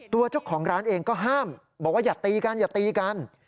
ตัวเจ้าของร้านเองก็ห้ามบอกว่าอย่าตีกันอย่าตีกัน